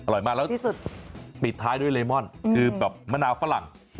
มากแล้วที่สุดปิดท้ายด้วยเลมอนคือแบบมะนาวฝรั่ง